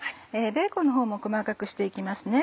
ベーコンのほうも細かくして行きますね。